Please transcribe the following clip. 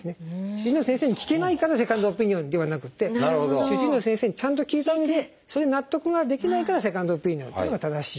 主治医の先生に聞けないからセカンドオピニオンではなくて主治医の先生にちゃんと聞いたうえでそれで納得ができないからセカンドオピニオンっていうのが正しい。